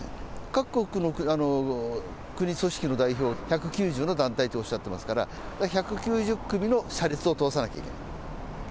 各国の国、組織の代表、１９０の団体っておっしゃってますから、１９０組の車列を通さなきゃいけない。